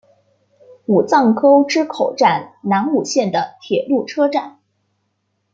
武藏沟之口站南武线的铁路车站。